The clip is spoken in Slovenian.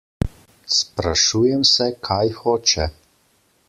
Sprašujem se, kaj hoče?